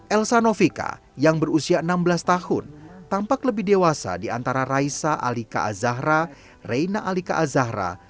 elsa novika yang berusia enam belas tahun tampak lebih dewasa di antara raisa alika azahra reina alika azahra